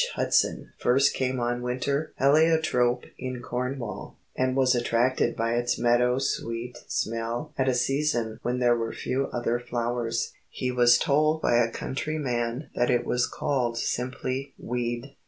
Hudson first came on winter heliotrope in Cornwall, and was attracted by its meadow sweet smell at a season when there were few other flowers, he was told by a countryman that it was called simply "weed."